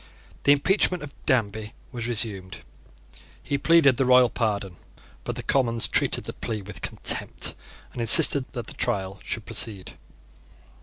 The impeachment of Danby was resumed. He pleaded the royal pardon. But the Commons treated the plea with contempt, and insisted that the trial should proceed.